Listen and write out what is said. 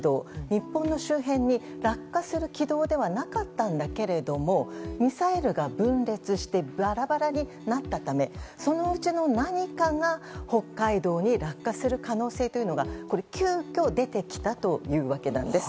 日本の周辺に落下する軌道ではなかったんだけれどもミサイルが分裂してバラバラになったためそのうちの何かが北海道に落下する可能性というのが急きょ出てきたというわけです。